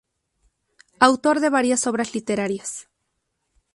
Autor de varias obras literarias.